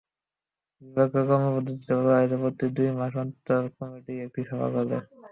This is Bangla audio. বিভাগীয় কর্মপদ্ধতিতে বলা হয়েছে, প্রতি দুই মাস অন্তর কমিটি একটি সভা করবে।